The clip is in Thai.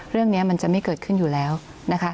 เรื่องนี้มันจะไม่เกิดขึ้นอยู่แล้วนะคะ